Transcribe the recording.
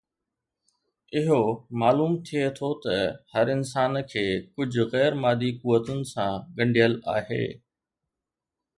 اهو معلوم ٿئي ٿو ته هر انسان کي ڪجهه غير مادي قوتن سان ڳنڍيل آهي